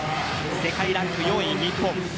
世界ランク４位、日本。